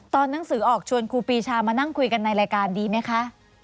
หนังสือออกชวนครูปีชามานั่งคุยกันในรายการดีไหมคะ